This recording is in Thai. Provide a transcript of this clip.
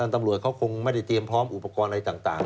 ตำรวจเขาคงไม่ได้เตรียมพร้อมอุปกรณ์อะไรต่าง